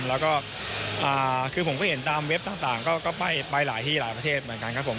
แล้วก็คือผมก็เห็นตามเว็บต่างก็ไปหลายที่หลายประเทศเหมือนกันครับผม